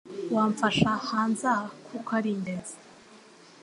Wamfasha hanze aha kuko ari ingenzi